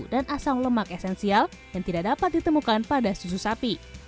dan asam lemak esensial yang tidak dapat ditemukan pada susu sapi